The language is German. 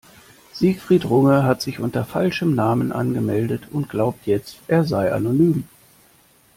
Siegfried Runge hat sich unter falschem Namen angemeldet und glaubt jetzt, er sei anonym.